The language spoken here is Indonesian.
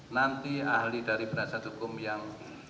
nanti ahli dari penasihat hukum yang